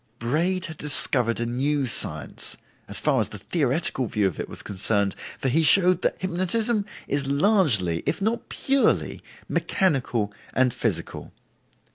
Braid had discovered a new science—as far as the theoretical view of it was concerned—for he showed that hypnotism is largely, if not purely, mechanical and physical.